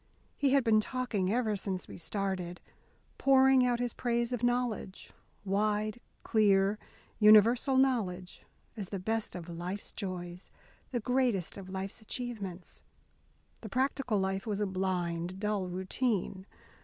He had been talking ever since we started, pouring out his praise of knowledge, wide, clear, universal knowledge, as the best of life's joys, the greatest of life's achievements. The practical life was a blind, dull routine.